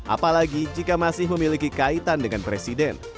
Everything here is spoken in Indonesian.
apalagi jika masih memiliki kaitan dengan presiden